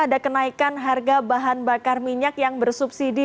ada kenaikan harga bahan bakar minyak yang bersubsidi